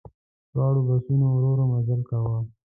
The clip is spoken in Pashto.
دواړو بسونو ورو ورو مزل کاوه.